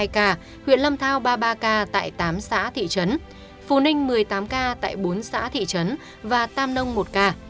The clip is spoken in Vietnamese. hai ca huyện lâm thao ba mươi ba ca tại tám xã thị trấn phú ninh một mươi tám ca tại bốn xã thị trấn và tam nông một ca